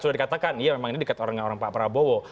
sudah dikatakan ya memang ini dekat dengan orang pak prabowo